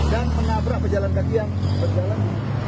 dan menabrak pejalan kaki yang berjalan